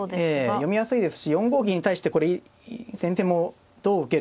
読みやすいですし４五銀に対してこれ先手もどう受けるか。